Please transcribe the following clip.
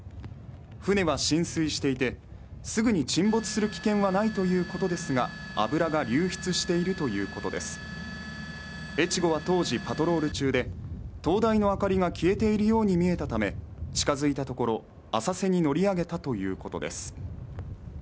船は浸水していてすぐに沈没する危険はないということですが油が流出しているということです「えちご」は当時パトロール中で灯台の明かりが消えているように見えたため近づいたところ浅瀬に乗り上げたということです